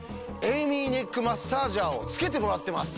エイミーネックマッサージャーをつけてもらってます